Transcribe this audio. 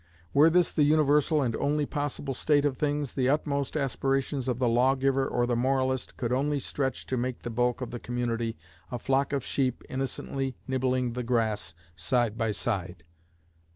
Were this the universal and only possible state of things, the utmost aspirations of the lawgiver or the moralist could only stretch to make the bulk of the community a flock of sheep innocently nibbling the grass side by side.